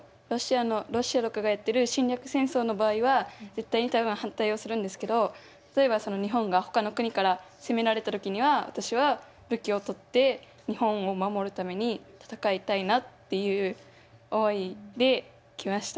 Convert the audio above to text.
ロシアとかがやってる侵略戦争の場合は絶対に多分反対をするんですけど例えば日本がほかの国から攻められた時には私は武器を取って日本を守るために戦いたいなっていう思いで来ました。